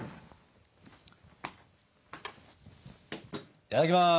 いただきます！